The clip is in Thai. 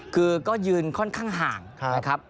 คือก็ยืนค่อนข้างห่างนะครับ